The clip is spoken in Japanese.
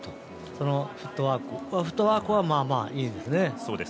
そのフットワークはまあまあいいですね。